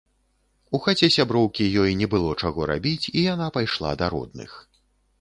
У хаце сяброўкі ёй не было чаго рабіць і яна пайшла да родных.